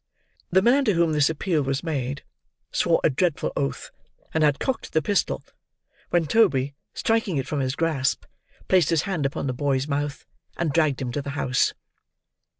The man to whom this appeal was made, swore a dreadful oath, and had cocked the pistol, when Toby, striking it from his grasp, placed his hand upon the boy's mouth, and dragged him to the house.